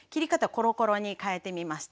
コロコロに変えてみました。